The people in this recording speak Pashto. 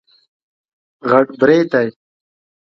غټ برېتی